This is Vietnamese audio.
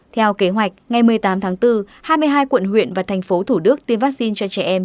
theo kế hoạch ngày một mươi tám tháng bốn hai mươi hai quận huyện và thành phố thủ đức tiêm vaccine cho trẻ em